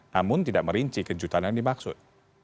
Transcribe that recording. namun tidak merinci kejutan yang dimaksud